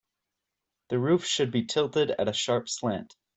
The roof should be tilted at a sharp slant.